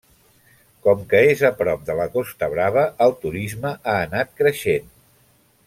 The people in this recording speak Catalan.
Com que és a prop de la Costa Brava el turisme ha anat creixent.